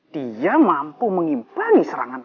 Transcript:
dia mampu mengimbangi serangan